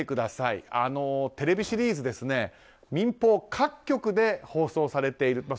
テレビシリーズですね民放各局で放送されている。